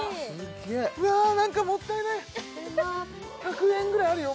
うわ何かもったいないいただきまーす１００円ぐらいあるよ